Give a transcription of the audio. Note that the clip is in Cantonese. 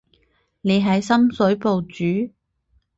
你喺深水埗住？